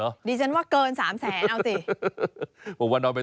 ดิฉันว่าเกิน๓แสนเอาสิ